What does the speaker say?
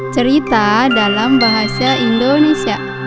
cerita dalam bahasa indonesia